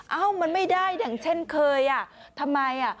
เอ้ามันไม่ได้อย่างเช่นเคยอ่ะทำไมอ่ะ